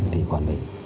đi còn mình